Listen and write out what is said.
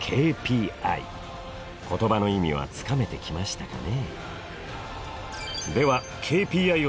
言葉の意味はつかめてきましたかね？